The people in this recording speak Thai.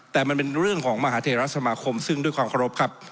แต่มันเป็นเรื่องของมหาเทราสมาคมซึ่งด้วยความเคารพครับ